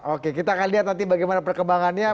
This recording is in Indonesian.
oke kita akan lihat nanti bagaimana perkembangannya